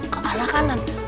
ke arah kanan